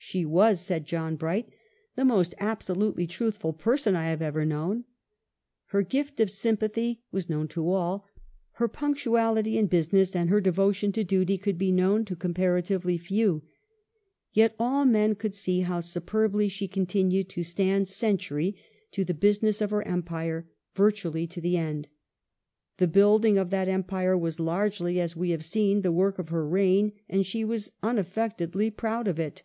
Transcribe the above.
She was, said John Bright, *'the most absolutely truthful person I have ever known". Her gift of sympathy was known to all, her punctuality in business and her devotion to duty could be known to comparatively few. Yet all men could see "how superbly she continued to stand sentry to the business of her Empire "— virtually to the end.^ The building of that Empire was largely, as we have seen, the work of her reign, and she was unaffectedly proud of it.